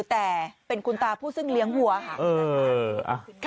แต่เป็นคุณตาผู้ซึ่งเลี้ยงวัวค่ะ